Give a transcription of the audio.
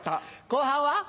後半は？